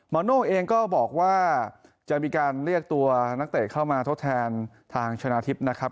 โน่เองก็บอกว่าจะมีการเรียกตัวนักเตะเข้ามาทดแทนทางชนะทิพย์นะครับ